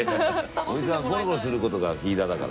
おじさんはゴロゴロすることがフィーダーだから。